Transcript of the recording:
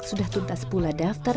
sudah tuntas pula daftar